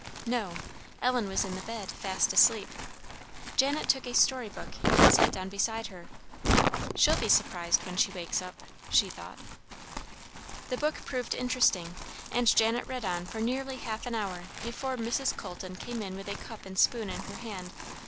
No; Ellen was in the bed, fast asleep. Janet took a story book, and sat down beside her. "She'll be surprised when she wakes up," she thought. The book proved interesting, and Janet read on for nearly half an hour before Mrs. Colton came in with a cup and spoon in her hand.